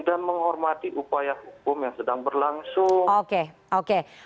dan menghormati upaya hukum yang sedang berlangsung